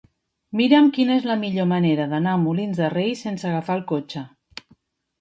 Mira'm quina és la millor manera d'anar a Molins de Rei sense agafar el cotxe.